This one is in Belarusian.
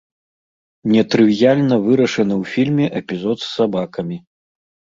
Нетрывіяльна вырашаны ў фільме эпізод з сабакамі.